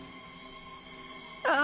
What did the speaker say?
あ